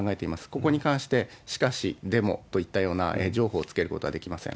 ここに関して、しかし、でもといったような譲歩をつけることはできません。